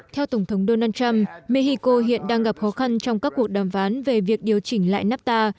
theo tổng thống donald trump mexico hiện đang gặp khó khăn trong các cuộc đàm phán về việc điều chỉnh lại nafta